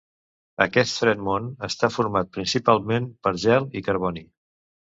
Aquest fred món està format principalment per gel i carboni.